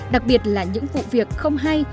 đặc biệt là những vụ việc không hay